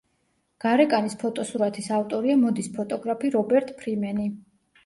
გარეკანის ფოტოსურათის ავტორია მოდის ფოტოგრაფი რობერტ ფრიმენი.